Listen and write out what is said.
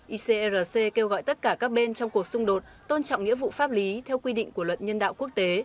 icrc kêu gọi tất cả các bên trong cuộc xung đột tôn trọng nghĩa vụ pháp lý theo quy định của luật nhân đạo quốc tế